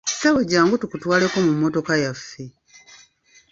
Ssebo jjangu tukutwaleko mu mmotoka yaffe.